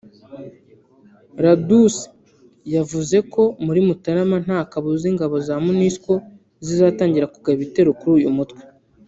Ladsous yavuze ko muri Mutarama nta kabuza ingabo za Monusco zizatangira kugaba ibitero kuri uyu mutwe